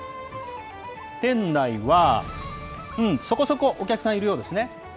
店内は、そこそこお客さんいるようですね。